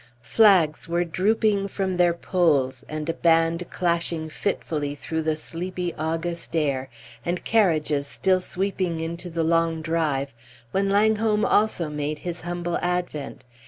Flags were drooping from their poles, a band clashing fitfully through the sleepy August air, and carriages still sweeping into the long drive, when Langholm also made his humble advent.